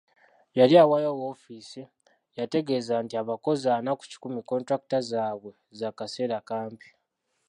Yali awaayo woofiisi, yategeeza nti abakozi ana ku kikumi kkontulakiti zaabwe za kaseera kampi.